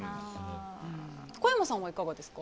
小山さんはいかがですか？